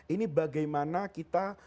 ini bagaimana kita